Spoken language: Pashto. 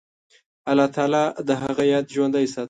الله تعالی د هغه یاد ژوندی ساتلی.